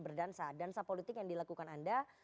berdansa dansa politik yang dilakukan anda